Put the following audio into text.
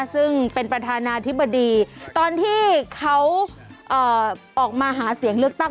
ซึ่งเป็นประธานาธิบดีตอนที่เขาออกมาหาเสียงเลือกตั้ง